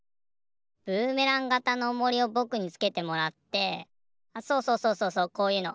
ブーメランがたのおもりをぼくにつけてもらってあっそうそうそうそうそうこういうの。